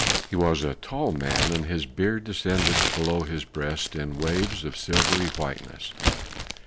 He was a tall man, and his beard descended upon his breast in waves of silvery whiteness.